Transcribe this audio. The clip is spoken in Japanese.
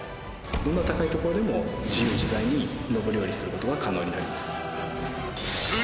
どんな高い所でも自由自在に登り下りすることが可能になります